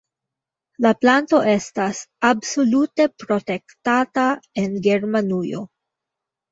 La planto estas absolute protektata en Germanujo.